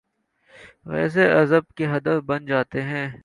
غیظ و غضب کا ہدف بن جا تا ہے۔